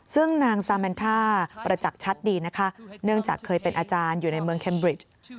ซึ่งนางซาแมนท่าประจักษ์ชัดดีนะคะเนื่องจากเคยเป็นอาจารย์อยู่ในเมืองแคมบริช